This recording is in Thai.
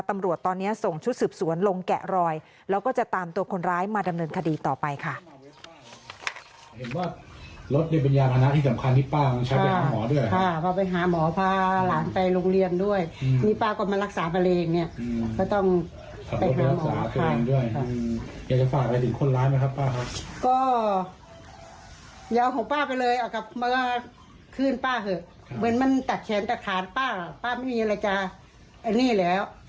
ตำรวจตอนนี้ส่งชุดสืบสวนลงแกะรอยแล้วก็จะตามตัวคนร้ายมาดำเนินคดีต่อไปค่ะ